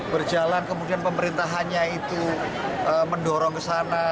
berjalan kemudian pemerintah hanya itu mendorong ke sana